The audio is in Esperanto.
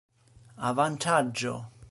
avantaĝo